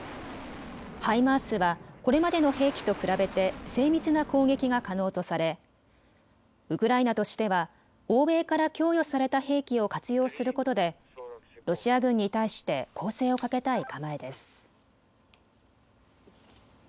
ハイマースはこれまでの兵器と比べて精密な攻撃が可能とされウクライナとしては欧米から供与された兵器を活用することでロシア軍に対して攻勢をかけたい構えです。